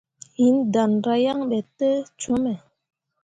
Hinni danra yaŋ ɓe te cume.